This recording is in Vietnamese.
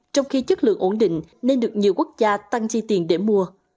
trong khi chất lượng ổn định nên được nhiều quốc gia tăng chi tiền để mua